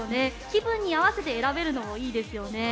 気分に合わせて選べるのもいいですよね。